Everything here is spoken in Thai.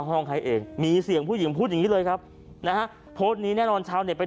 ห้องใครเองมีเสียงผู้หญิงพูดอย่างงี้เลยครับนะฮะโพสต์นี้แน่นอนชาวเน็ตไป